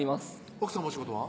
奥さまお仕事は？